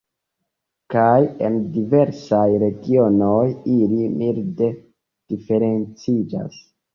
Kaj en diversaj regionoj ili milde diferenciĝas.